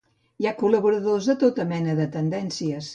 Hi ha col·laboradors de tota mena de tendències.